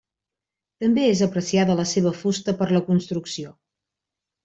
També és apreciada la seva fusta per la construcció.